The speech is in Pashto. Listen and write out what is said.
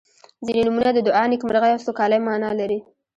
• ځینې نومونه د دعا، نیکمرغۍ او سوکالۍ معنا لري.